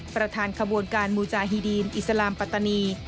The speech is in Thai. ประธานขบวนการมูจาฮีดีนอิสลามปัตตานี